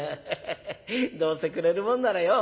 ヘヘヘどうせくれるもんならよ